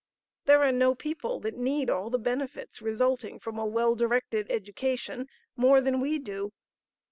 There are no people that need all the benefits resulting from a well directed education more than we do.